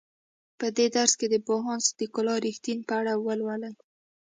په دې درس کې د پوهاند صدیق الله رښتین په اړه ولولئ.